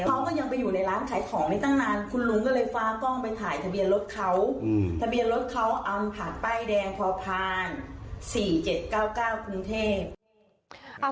เขาก็ยังไปอยู่ในร้านขายของไม่ตั้งนานคุณลุงก็เลยฟ้ากล้องไปถ่ายทะเบียนรถเขาทะเบียนรถเขาอำผ่านป้ายแดงพอผ่าน๔๗๙๙กรุงเทพ